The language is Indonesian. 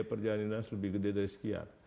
di dasar dinas lebih gede dari sekian